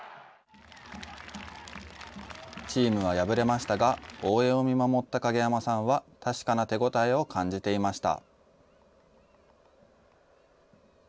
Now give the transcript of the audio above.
チームは敗れましたが、応援を見守った影山さんは、確かな手応えを感じていました。